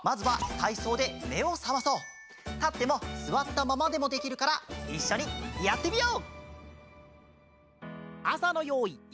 たってもすわったままでもできるからいっしょにやってみよう！